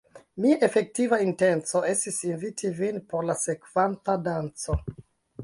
Mia efektiva intenco estis inviti vin por la sekvanta danco.